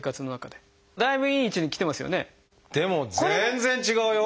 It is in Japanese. でも全然違うよ！